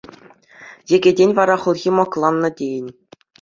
Йӗкӗтӗн вара хӑлхи мӑкланнӑ тейӗн.